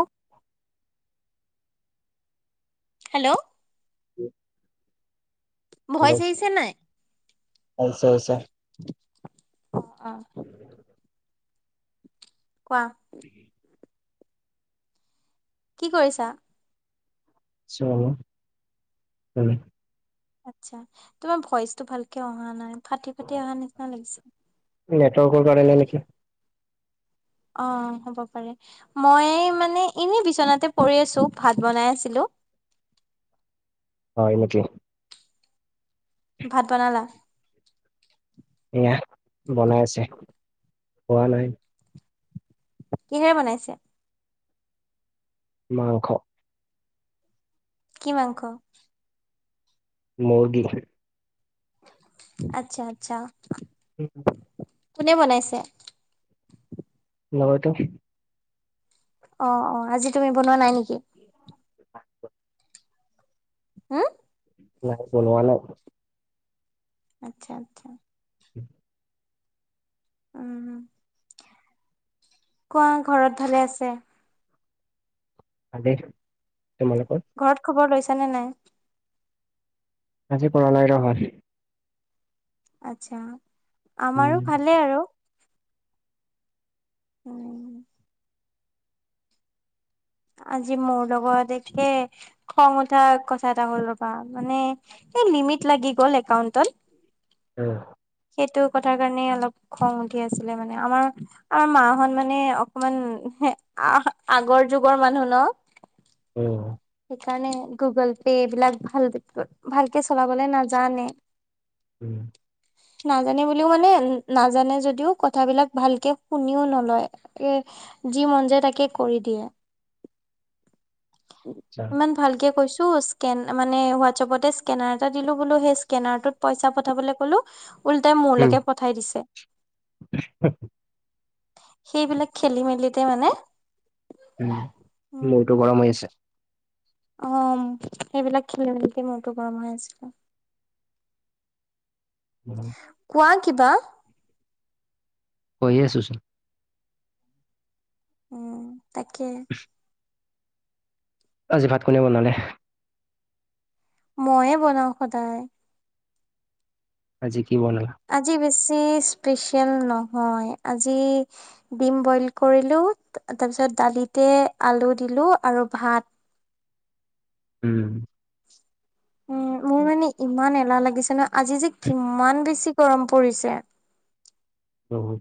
অ', hello [inaudible] voice আহিছে নাই আচ্ছা আচ্ছা কোৱা? কি কৰিছা? আছোঁ আৰু এনে। আচ্ছা তোমাৰ ভয়েচটো ভালকে অহা নাই ফাটি, ফাটি আহা নিচিনা লাগিছে। এ নেটৱৰ্কৰ কাৰণে নেকি। অ' হ'ব পাৰে। ময়ে মানে এনে বিচনাতে পৰি আছো ভাত বনাই আছিলোঁ। হয় নেকি। ভাত বনালা? এয়া, বনাই আছে, হোৱা নাই। কিহেৰে বনাইছে? মাংস। কি মাংস? মুৰ্গী। আচ্ছা, আচ্ছা। [unintelligible] কোনে বনাইছে? লগৰটোই। অ', অ', আজি তুমি বনোৱা নাই নেকি? উম? নাই বনোৱা নাই। আচ্ছা, আচ্ছা। [inaudible] উম, কোৱা ঘৰত ভালে আছে? ভালেই, তোমালোকৰ? ঘৰত খবৰ লৈছা নে নাই? আজি কৰা নাই ৰ' আমাৰ। আচ্ছা, উম আমাৰো ভালে আৰু। উম। আজি মোৰ লগত, একে খং উঠা কথা এটা হ'ল ৰ'বা, মানে এই লিমিট লাগি গ'ল একাউন্টত। উম। সেইটো কথাৰ কাৰণে অলপ খং উঠি আছিলে মানে, আমাৰ আমাৰ মাহঁত মানে অকমান আহ, আগৰ যুগৰ মানুহ ন। উম। সেইকাৰণে গুগল পে, এইবলাক ভাল, ভালকে চলাবলৈ নাজানে। উম। নাজানে বুলিও মানে, নাজানে যদিও কথাবিলাক ভালকে শুনিও নলয়। এ যি মন যায় তাকে কৰি দিয়ে। আচ্ছা। ইমান ভালকে কৈছো, স্কেন মানে হোৱাটছাপতে স্কেন স্কেনাৰ এটা দিলো বোলো, সেই স্কেনাৰটোত পইচা পঠাবলৈ ক'লো উল্টাই উম মোৰলৈকে পঠাই দিছে। সেইবিলাক খেলি মেলিতে মানে উম, মূৰতো গৰম হৈ আছে। অ', সেইবিলাক খেলি মেলিতে মোৰতো গৰম হৈ আছিলে। [inaudible] কোৱা কিবা। কৈয়ে আছোঁচোন। উম, তাকে। [unintelligible] আজি ভাত কোনে বনালে? মইয়ে বনাওঁ সদায়। আজি কি বনালা? আজি বেছি স্পেচিয়েল নহয়, আজি ডিম বইল কৰিলোঁ, তাৰপিছত দালিতে আলু দিলোঁ আৰু ভাত। উম। উম, মোৰ মানে ইমান এলাহ লাগিছে ন, আজি যে কিমান বেছি গৰম পৰিছে। উম।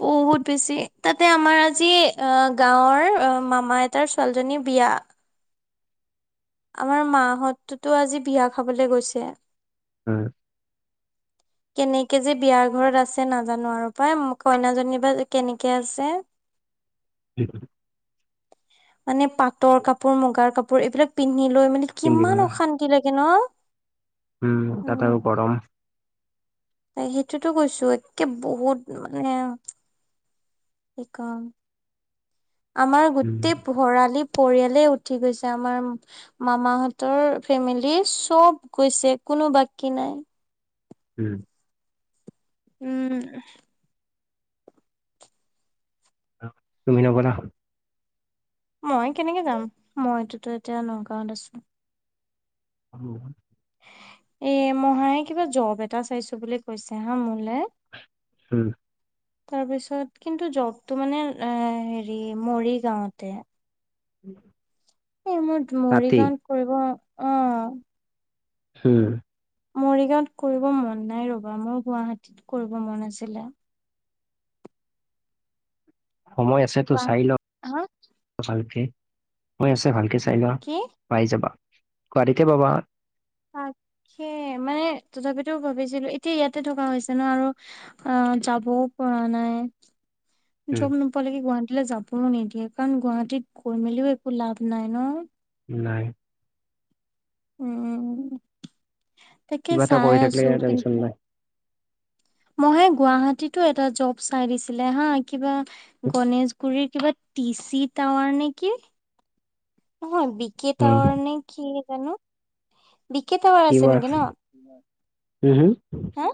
বহুত বেছি, তাতে আমাৰ আজি অ, গাঁৱৰ মামা এটাৰ ছোৱালীজনীৰ বিয়া। আমাৰ মাহঁততো আজি বিয়া খাবলৈ গৈছে। উম। কেনেকে যে বিয়াৰ ঘৰত আছে নাজানো আৰু, পাই কইনাজনী বা কেনেকে আছে। উম। মানে পাটৰ কাপোৰ, মুগাৰ কাপোৰ এইবিলাক পিন্ধি লৈ মানে কিমান তিনদিনৰ অশান্তি লাগে ন। উম, তাত আৰু গৰম। সেইটোতো কৈছো, একে বহুত মানে কি কম। আমাৰ উম গোটেই ভৰালি পৰিয়ালে উঠি গৈছে আমাৰ। মামাহঁতৰ ফেমিলি চব গৈছে কোনো বাকী নাই। উম। উম। তুমি নগলা? মই কেনেকে যাম? মইটো এতিয়া নগাঁৱত আছোঁ। [inaudible] এ মহায়ে কিবা জব এটা চাইছো বুলি কৈছে হা মোলৈ [unintelligible] তাৰ পিছত কিন্তু জবটো মানে এ হেৰি মৰি গাঁওতে। উম। এই মোৰ মৰিগাঁৱত কৰিব, অ। হম। মৰিগাঁৱত কৰিব মন নাই ৰ'বা, মোৰ গুৱাহাটীত কৰিব মন আছিলে। সময় আছেতো কোৱা চাই ল, হা ভালকে সময় আছে ভালকে চাই ল। কি? পাই যাবা, গুৱাহাটীতে পাবা। তাকে মানে তথাপিতো ভাবিছিলোঁ এতিয়া ইয়াতে থকা হৈছে ন আৰু। অ, যাবও পৰা নাই, উম, যম গুৱাহাটীলৈ যাবও নিদিয়ে, কাৰণ গুৱাহাটীত গৈ মেলিও একো লাভ নাই ন। নাই। উম, তাকে কিবা এটা চাই কৰি থাকিলে আছোঁ, কিন্তু টেনচন নাই। মহাই গুৱাহাটীতো এটা জব চাই দিছিলে হা, কিবা গনেশগুৰিৰ কিবা দি চি তাৱাৰ নেকি? নহয় বিকি উম, তাৱাৰ নে কি জানো। বিকিত তাৱাৰ আছে কিবা নেকি ন, উম, হম হা?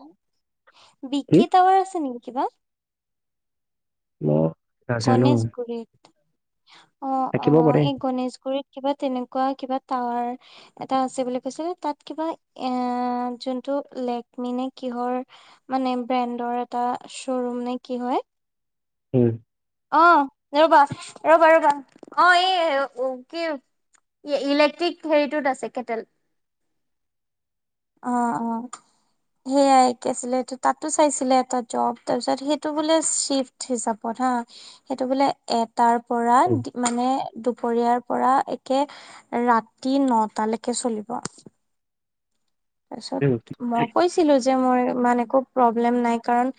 কি বিকি টাৱাৰ আছে নেকি কিবা? মই নাজানো গণেশগুৰিত, থাকিব পাৰে এই গণেশগুৰিত। কিবা তেনেকুৱা কিবা টাৱাৰ এটা আছে বুলি কৈছিল। তাত কিবা এ যোনটো লেকমিনে কিহৰ মানে ব্ৰেণ্ডৰ এটা শ্ব'ৰুম নে কি হয়। উম। অ ৰ'বা ৰ'বা ৰ'বা অ এই কি ই-ইলেক্ট্ৰিক হেৰিটোত আছে কেটেল। অ অ। সেয়াই একে আছিলে, তাতো চাইছিলে এটা জব তাৰপিছত সেইটো বোলে চিফ্ট হিচাবত হা। সেইটো বোলে এটাৰ পৰা উম, মানে দুপৰীয়াৰ পৰা একে ৰাতি নটালৈকে চলিব। উম, তাৰপিছত মই কৈছিলো যে মোৰ ইমান একো প্ৰব্লেম নাই কাৰণ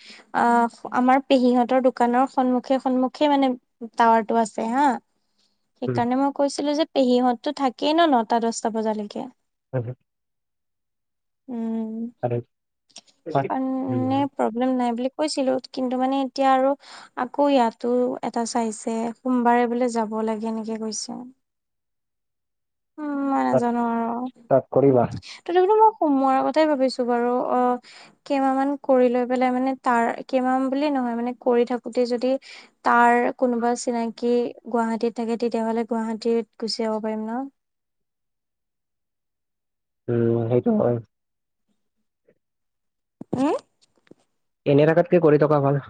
আহ আমাৰ পেহীহঁতৰ দোকানৰ সন্মুখে সন্মুখে মানে টাৱাৰটো আছে হা। উম, সেইকাৰণে মই কৈছিলো যে পেহীহঁতো থাকেই ন নটা দহটা বজালৈকে [inaudible] উম আৰু তাত মানে উম, প্ৰব্লেম নাই বুলি কৈছিলো কিন্তু মানে এতিয়া আৰু আকৌ ইয়াতো এটা চাইছে, সোমবাৰে বোলে যাব লাগে এনেকে কৈছে। উ মই তাত নাজানো আৰু। তাত কৰিবা তথাপিতো মই সোমুৱাই কথাই ভাবিছো বাৰু অ কেইমাহ মান কৰি লৈ পেলাই মানে তাৰ কেইমাহ মান বুলি নহয় মানে কৰি থাকোতে যদি তাৰ কোনোবা চিনাকি গুৱাহাটীত থাকে তেতিয়াহ'লে গুৱাহাটীত গুচি যাব পাৰিম ন। উম সেইটো হয়। হুম? এনে থকাতকে কৰি থকা ভাল।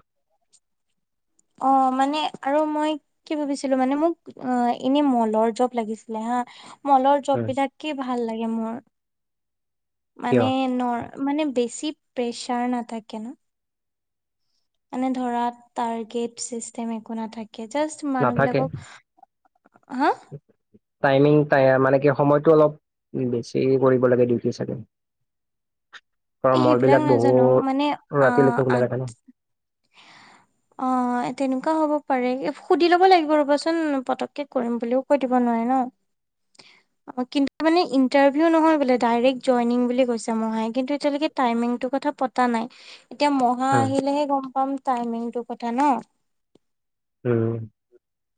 অ মানে আৰু মই কি ভাবিছিলো মানে মোক অ এনে মলৰ জব লাগিছিলে হা মলৰ জব উম, বিলাকে ভাল মোৰ কিয় মানে নৰ মানে বেছি প্ৰেছাৰ নাথাকে না। মানে ধৰা টাৰ্গেট চিষ্টেম একো নাথাকে। জাষ্ট নাথাকে মানুহবিলাকক হা টাইমিং তায়া মানে কি সময়তটো অলপ বেছি কৰিব লাগে ডিউটি চাগে। অ এই মল সেইবিলাক বিলাক নাজানো বহুত মানে আ ৰাতিলৈকে আ খোলা থাকে ন। [inaudible] অ অ তেনেকুৱা হ'ব পাৰে। সুধি ল'ব লাগিব ৰ'বচোন পতকে কৰিম বুলিও কৈ দিব নোৱাৰে ন। [inaudible] অ কিন্তু মানে ইণ্টাৰভিউ নহয় বোলে। ডাইৰেক্ট জইনিং বুলি কৈছে মাহাই কিন্তু এতিয়ালকে টাইমিং তৰ কথা পতা নাই। এতিয়া মহা উম আহিলেহে গম পাম টাইমিংটোৰ কথা ন। উম।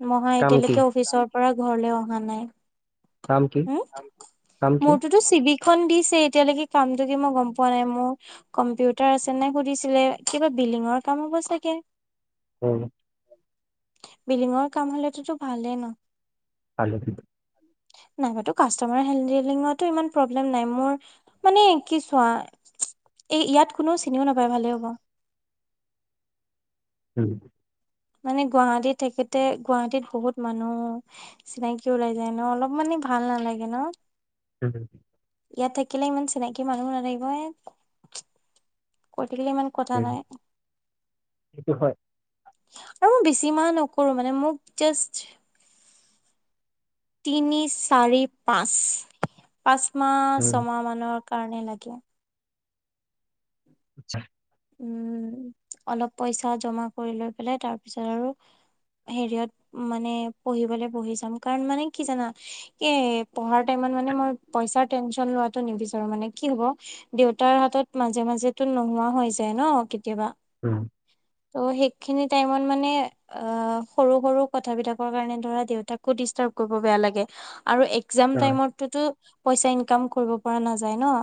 মহা কাম কি এতিয়ালৈকে অফিচৰ পৰা ঘৰলৈ অহা নাই। কাম কি উম কাম কি মোৰটো টো [unintelligible] দিছে এতিয়ালৈকে কামটো কি মই গম পোৱা নাই। মোৰ কম্পিউটাৰ আছে নে সোধিছিলে, কিবা বিল্ডিঙৰ কাম হ'ব চাগে। উম। বিলিঙৰ কাম হলেতো ভালেই ন। [inaudible] নাই বা তোৰ কচতমাৰ হেন্দিলিংগত ইমান প্ৰব্লেম নাই। মোৰ মানে কি চোৱা, এ ইয়াত কোনেও চিনিও নাপায় ভালে হ'ব। উম'। মানে গুৱাহাটীত থাকোতে গুৱাহাটীত বহুত মানুহ। চিনাকি ওলাই যায় ন', অলপ মানে ভাল নালাগে ন। উম'। ইয়াত থাকিলে ইমান চিনাকি মানুহ নাথাকিব, এ কৈ থাকিলে ইমান। কথা নাই সেইটো হয়। আৰু মই বেছি মাহ নকৰো মানে, মোক জাষ্ট তিনি, চাৰি, পাঁচ পাঁচমাহ উম ছমাহ মানৰ কাৰণে লাগে। আচ্ছা'। উম', অলপ পইচা জমা কৰি লৈ পেলাই, তাৰ পিছত আৰু হেৰিয়ত মানে পঢ়িবলে বহি যাম। কাৰণ মানে কি জানা এ পঢ়াৰ টাইমত মানে মই পইছাৰ টেনচন লোৱাত নিবিচাৰো মানে কি হব, দেউতাৰ হাতত মাজে মাজেতো নোহোৱা হৈ যা ন কেতিয়াবা। উম'। ত' সেইখিনি টাইমত মানে আ' সৰু সৰু কথাবিলাকৰ কাৰণে ধৰা দেউতাকো ডিষ্টাৰ্ব কৰিব বেয়া লাগে। আৰু একজাম হয় টাইমততো পইচা ইনকাম কৰিব পৰা নাযায় ন'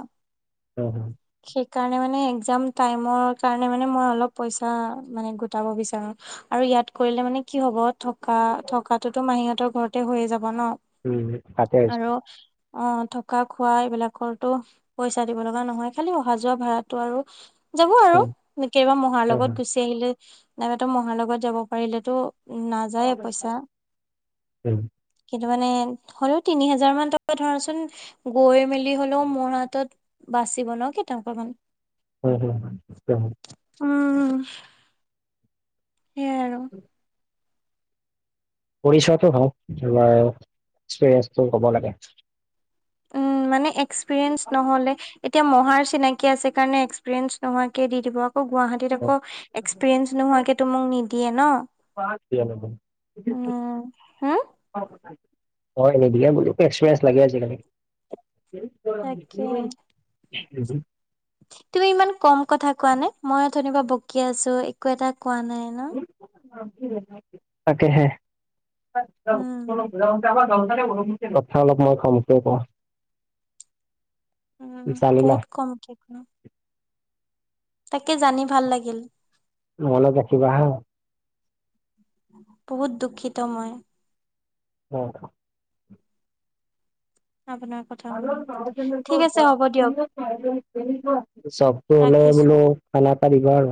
অ' সেইকাৰণে মানে একজাম টাইমৰ কাৰণে মানে মই অলপ পইচা মানে গোটাব বিচাৰোঁ। আৰু ইয়াত কৰিলে মানে কি হব। থকা থকাটোটো মাহীহঁতৰ ঘৰতে হৈয়ে যাব ন', উম তাতে আহিছো আৰু অ', থকা খোৱা এইবিলাকৰটো পইচা দিব লগা নহয়। খালি অহা যোৱা ভাড়াটো আৰু। যাব উম আৰু কেইবা মহাৰ হয় লগত হয় গুচি আহিলি, নাইবা তো মহাৰ লগত যাব পাৰিলেতো। নাযায়ে পইচা। উম কিন্তু মানে হ'লেও তিনি হাজাৰ মান টকা ধৰাচোন, গৈ মেলি হলেও মোৰ হাতত। বাচিব ন কেইটকা মান। [unintelligible] উম'। সেইয়াই আৰু। পৰিচয়টো হওঁক বা এক্সপিৰিয়েঞ্চটো হব লাগে। উম, মানে এক্সপিৰিয়েন্ঞ্চ নহ'লে এতিয়া মহাৰ চিনাকি আছে কাৰণে এক্সপিৰিয়েন্ঞ্চ নোহোৱাকে দি দিব, আকৌ গুৱা গুৱাহাটীত আকৌ এক্সপিৰিয়েঞ্চ নোহোৱাকে তো মোক নিদিয়ে ন'। বাদ। উম হুম হয় নিদিয়ে বোলো, এক্সপিয়েন্স লাগে আজিকালি। তাকে [unintelligible] তুমি ইমান কম কথা কোৱা নে, মই ওথনি পা বকি আছো, একো এটা কোৱা নাই ন। তাকেহে। উম কথা অলপ মই কমকে কওঁ। উম' জানিলা বহুত কমকে কোৱা। তাকে জানি ভাল লাগিল। মনত ৰাখিবা হা। বহুত দুখিত মই অ' আপোনাক [unintelligible] চাবটো অলপ ৰাখিছো বোলো খানা এটা দিবা আৰু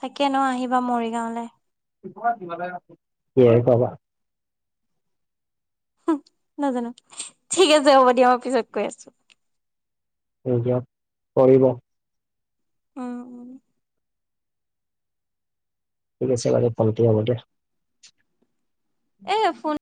তাকে ন' আহিবা মৰিগাঁওলৈ [unintelligible] কিহেৰে খোৱাবা নাজানো ঠিক আছে হ'ব দিয়া মই পিছত কৈ আছো নিজক কৰিব অ অ ঠিক আছে বাৰু পলটি হব দে এ ফোন